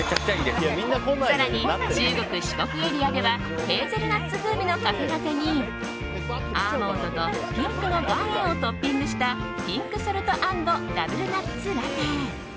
更に、中国・四国エリアではヘーゼルナッツ風味のカフェラテにアーモンドとピンクの岩塩をトッピングしたピンクソルト＆ダブルナッツラテ。